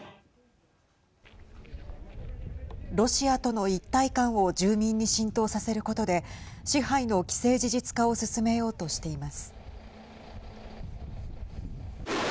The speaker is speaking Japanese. ロシアとの一体感を住民に浸透させることで支配の既成事実化を進めようとしています。